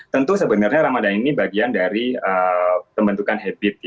tentu sebenarnya ramadan ini bagian dari pembentukan habit